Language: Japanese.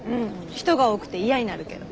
人が多くて嫌になるけど。